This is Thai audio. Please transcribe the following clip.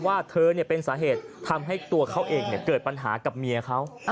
ว่าเธอเป็นสาเหตุทำให้ตัวเขาเองเกิดปัญหากับเมียเขา